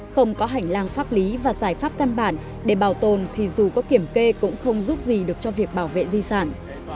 không có hành lang pháp lý và giải pháp căn bản để bảo tồn thì dù có kiểm kê cũng không giúp gì được cho việc bảo vệ di sản